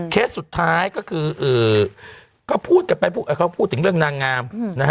เคสสุดท้ายก็คือเค้าพูดถึงเรื่องนางงาม